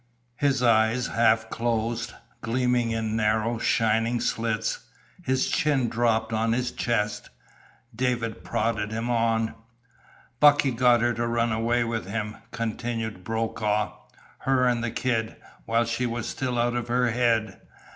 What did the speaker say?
His eyes half closed, gleaming in narrow, shining slits. His chin dropped on his chest. David prodded him on. "Bucky got her to run away with him," continued Brokaw. "Her and the kid, while she was still out of her head.